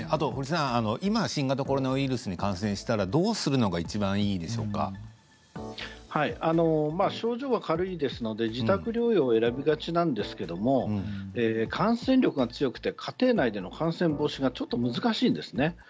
今、新型コロナウイルスに感染したら、どうするのが症状は軽いですので自宅療養を選びがちなんですけれども感染力が強くて家庭内での感染防止がちょっと難しいんですね。